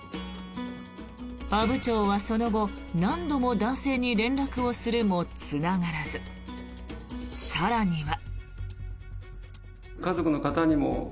阿武町はその後何度も男性に連絡をするもつながらず、更には。